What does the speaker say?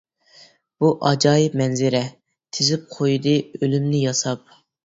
بۇ ئاجايىپ مەنزىرە، تىزىپ قويدى ئۆلۈمنى ياساپ.